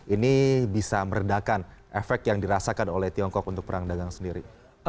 ini bisa meredakan efek yang dirasakan oleh tiongkok untuk perang dagang sendiri